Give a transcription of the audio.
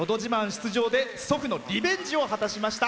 出場で祖父のリベンジを果たしました。